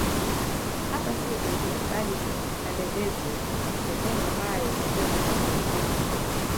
Hapa siyo pengine bali ni Handebezyo sehemu ambayo imebeba hazina kubwa